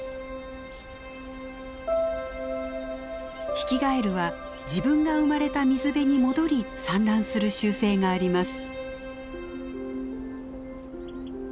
ヒキガエルは自分が生まれた水辺に戻り産卵する習性があります。